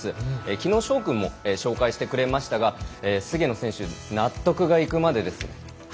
きのう翔くんも紹介してくれましたが菅野選手納得がいくまでです。